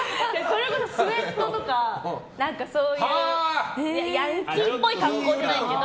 それこそスウェットとかそういうヤンキーっぽい格好じゃないけど。